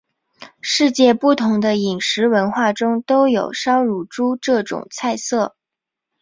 世界不同的饮食文化中都有烧乳猪这种菜色。